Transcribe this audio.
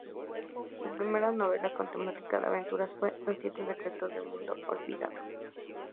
Su primera novela, con temática de aventuras, fue "Los Siete Secretos del Mundo Olvidado".